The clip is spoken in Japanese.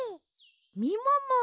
みもも。